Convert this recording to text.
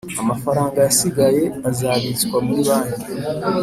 Amafaranga yasigaye azabitswa muri banki